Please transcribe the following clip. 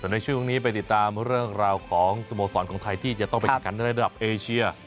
ในช่วงนี้ไปติดตามเรื่องราวของสมสรรค์ของไทยที่จะต้องไปกันวิทยาลัยดับเอเชีย